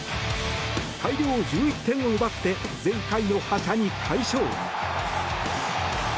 大量１１点を奪って前回の覇者に快勝。